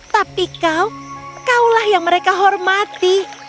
tapi kau kaulah yang mereka hormati